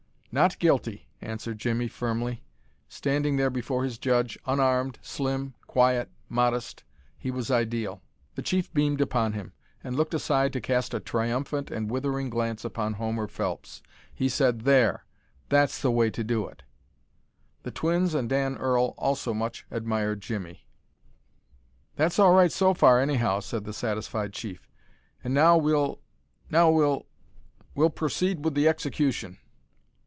"Not guilty," answered Jimmie, firmly. Standing there before his judge unarmed, slim, quiet, modest he was ideal. The chief beamed upon him, and looked aside to cast a triumphant and withering glance upon Homer Phelps. He said: "There! That's the way to do it." The twins and Dan Earl also much admired Jimmie. "That's all right so far, anyhow," said the satisfied chief. "An' now we'll now we'll we'll perceed with the execution."